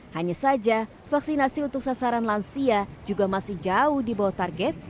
hanya saja vaksinasi untuk sasaran lansia juga masih jauh di bawah target